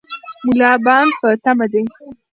ملا بانګ په تمه دی.